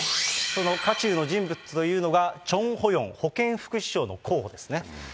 その渦中の人物というのが、チョン・ホヨン保健福祉相の候補ですね。